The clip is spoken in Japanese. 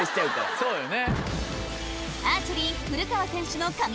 そうよね。